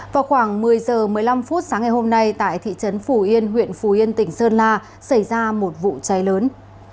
vào khoảng một mươi h một mươi năm phút sáng ngày hôm nay tại thị trấn phù yên huyện phù yên tỉnh sơn la xảy ra một vụ cháy lớn